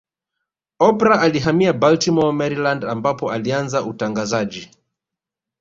Oprah alihamia Baltimore Maryland ambapo alianza utangazaji